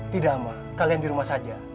tidak mah kalian di rumah saja